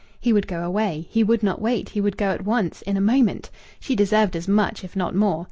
He would go away. He would not wait; he would go at once, in a moment. She deserved as much, if not more.